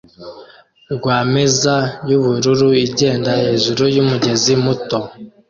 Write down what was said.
RWAMEZA yubururu igenda hejuru yumugezi muto